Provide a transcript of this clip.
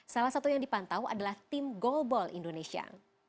salah satu yang dipantau adalah tim goalball indonesia